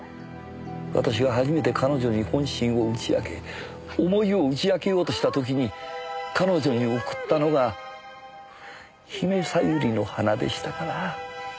私が初めて彼女に本心を打ち明け思いを打ち明けようとした時に彼女に贈ったのが姫小百合の花でしたから。